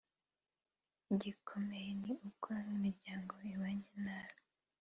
“Igikomeye ni uko nk’imiryango ibanye nabi